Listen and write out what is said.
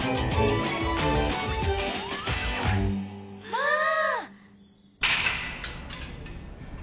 まあ！